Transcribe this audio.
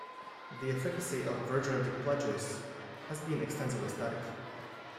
The efficacy of virginity pledges has been extensively studied.